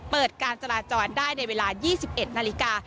เปิดการจราจรได้ในเวลา๒๑นาฬิกา